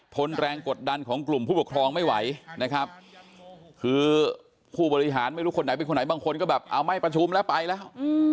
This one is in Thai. นแรงกดดันของกลุ่มผู้ปกครองไม่ไหวนะครับคือผู้บริหารไม่รู้คนไหนเป็นคนไหนบางคนก็แบบเอาไม่ประชุมแล้วไปแล้ว